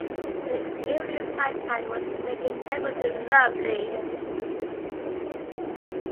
The evening sunshine was making everything lovely.